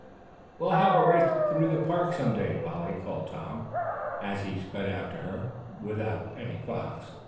"We'll have a race through the park some day, Polly," called Tom, as he sped after her, "without any fox."